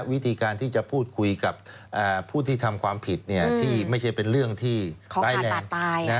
วิธีการที่จะพูดคุยกับผู้ที่ทำความผิดที่ไม่ใช่เป็นเรื่องที่ร้ายแรง